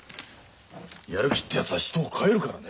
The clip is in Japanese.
やる気ってやつは人を変えるからね。